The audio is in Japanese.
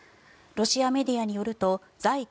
ロシアメディアによると在